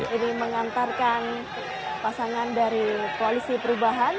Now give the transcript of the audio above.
ini mengantarkan pasangan dari koalisi perubahan